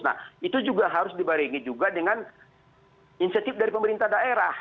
nah itu juga harus dibarengi juga dengan insentif dari pemerintah daerah